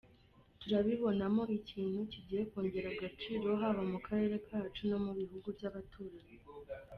Turabibonamo ikintu kigiye kongera agaciro haba mu karere kacu no mu bihugu by’abaturanyi.